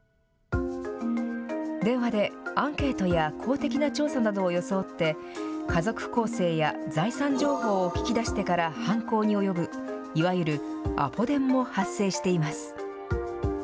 電話でアンケートや公的な調査などを装って、家族構成や財産情報を聞き出してから犯行に及ぶ、いわゆるアポ電も発生しています。